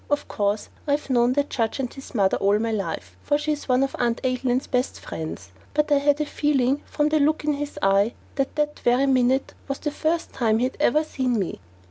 Of course, I have known the judge and his mother all my life, for she is one of Aunt Adeline's best friends, but I had a feeling from the look in his eyes that that very minute was the first time he had ever seen me.